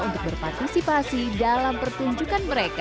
untuk berpartisipasi dalam pertunjukan mereka